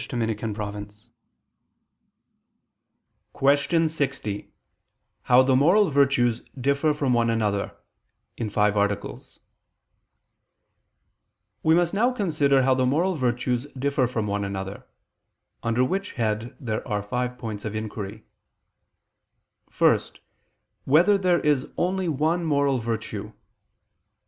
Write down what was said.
________________________ QUESTION 60 HOW THE MORAL VIRTUES DIFFER FROM ONE ANOTHER (FIVE ARTICLES) We must now consider how the moral virtues differ from one another: under which head there are five points of inquiry: (1) Whether there is only one moral virtue?